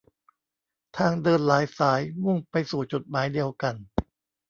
ทางเดินหลายสายมุ่งไปสู่จุดหมายเดียวกัน